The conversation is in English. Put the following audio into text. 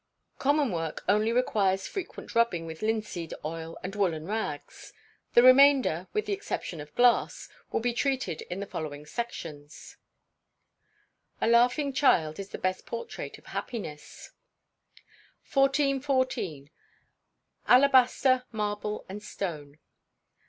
Common work only requires frequent rubbing with linseed oil and woollen rags. The remainder, with the exception of glass, will be treated in the following sections: [A LAUGHING CHILD IS THE BEST PORTRAIT OF HAPPINESS.] 1414. Alabaster, Marble, and Stone.